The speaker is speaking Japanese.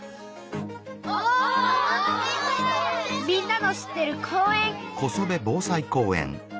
みんなの知ってる公園！